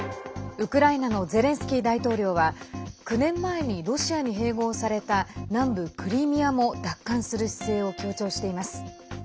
ウクライナのゼレンスキー大統領は９年前にロシアに併合された南部クリミアも奪還する姿勢を強調しています。